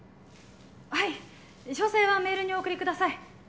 はい詳細はメールにお送りください